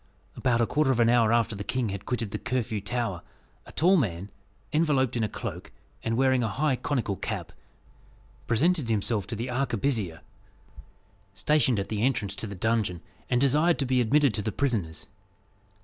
About a quarter of an hour after the king had quitted the Curfew Tower, a tall man, enveloped in a cloak, and wearing a high conical cap, presented himself to the arquebusier stationed at the entrance to the dungeon, and desired to be admitted to the prisoners.